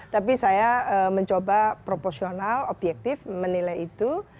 tapi saya mencoba proporsional objektif menilai itu